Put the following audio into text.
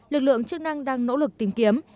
lực lượng chức năng đang nỗ lực tìm kiếm